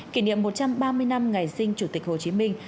kỷ niệm một trăm ba mươi năm ngày sinh chủ tịch hồ chí minh